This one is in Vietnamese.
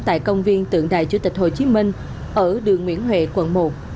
tại công viên tượng đài chủ tịch hồ chí minh ở đường nguyễn huệ quận một